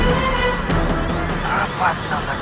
hai apa yang terjadi